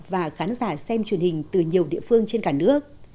và khán giả xem truyền hình từ nhiều địa phương trên cả nước